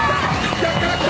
逆から来た！